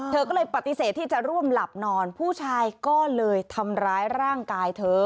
เธอก็เลยปฏิเสธที่จะร่วมหลับนอนผู้ชายก็เลยทำร้ายร่างกายเธอ